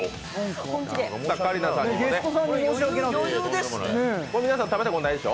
ゲストさんに申し訳ないんでね。